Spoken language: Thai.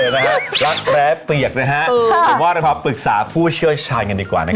รัดแร๊เปียกนะฮะตรงนั้นพาปรึกษาผู้เชื่อช่ายกันดีกว่า